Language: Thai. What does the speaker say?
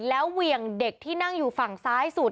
แล้วเหวี่ยงเด็กที่นั่งอยู่ฝั่งซ้ายสุด